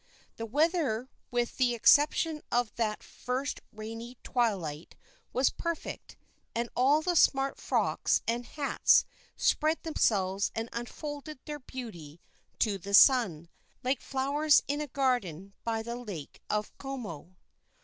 The weather, with the exception of that first rainy twilight, was perfect, and all the smart frocks and hats spread themselves and unfolded their beauty to the sun, like flowers in a garden by the Lake of Como.